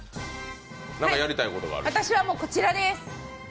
私はこちらです！